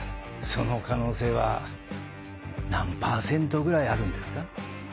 その可能性は何パーセントぐらいあるんですか？